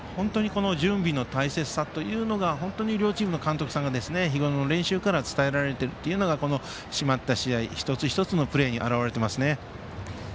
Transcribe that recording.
準備の大切さというのが両チームの監督さんが日ごろの練習から伝えられていることが締まった試合一つ一つのプレーに現れていますね。